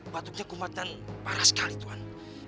batuknya kumat dan parah sekali tuhan